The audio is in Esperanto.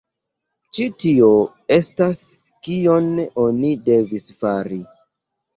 Ĉi tio estas kion oni devis fari.